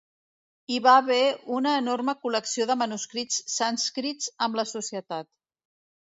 Hi va haver una enorme col·lecció de manuscrits sànscrits amb la societat.